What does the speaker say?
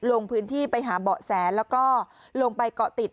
ลงพื้นที่ไปหาเบาะแสแล้วก็ลงไปเกาะติด